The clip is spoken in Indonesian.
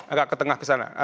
agak ke tengah ke sana